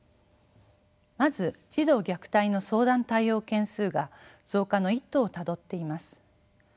まず児童虐待の相談対応件数が増加の一途をたどっています。